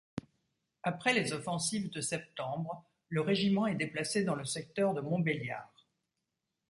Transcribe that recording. Après les offensives de septembre, le régiment est déplacé dans le secteur de Montbéliard.